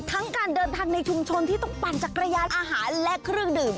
การเดินทางในชุมชนที่ต้องปั่นจักรยานอาหารและเครื่องดื่ม